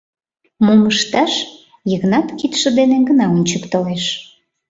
Мом ышташ — Йыгнат кидше дене гына ончыктылеш.